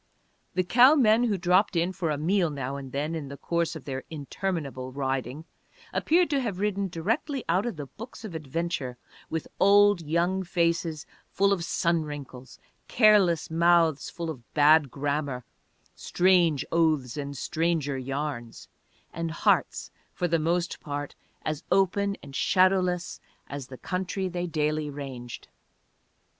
The cow men who dropped in for a meal now and then in the course of their interminable riding appeared to have ridden directly out of books of adventure, with old young faces full of sun wrinkles, careless mouths full of bad grammar, strange oaths and stranger yarns, and hearts for the most part as open and shadowless as the country they daily ranged.